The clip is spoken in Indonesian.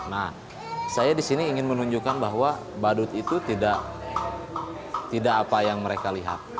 nah saya disini ingin menunjukkan bahwa badut itu tidak apa yang mereka lihat